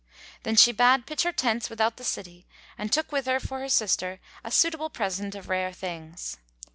Then she bade pitch her tents without the city and took with her for her sister a suitable present of rare things.